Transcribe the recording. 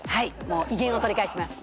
もう威厳を取り返します。